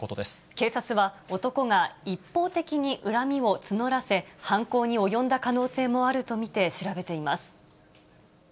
警察は、男が一方的に恨みを募らせ、犯行に及んだ可能性もあると見て調べています。